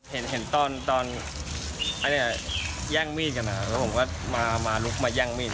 เห็นเห็นตอนตอนอันนี้อ่ะแย่งมีดกันอ่ะแล้วผมก็มามาลุกมาแย่งมีดอ่ะ